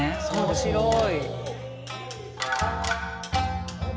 面白い。